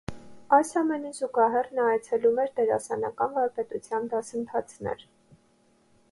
Այս ամենին զուգահեռ նա այցելում էր դերասանական վարպետության դասընթացներ։